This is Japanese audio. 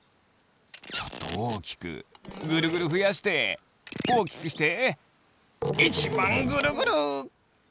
ちょっとおおきくぐるぐるふやしておおきくしていちばんぐるぐる！